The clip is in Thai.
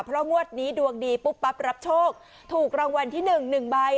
ตอนนี้ดวงดีปุ๊บปั๊บรับโชคถูกรางวัลที่๑หนึ่งใบ